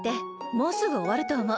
もうすぐおわるとおもう。